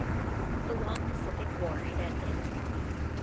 The long Pacific war had ended.